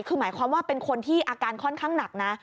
คือหมายความว่าเป็นคนที่อาการค่อนข้างหนักนะ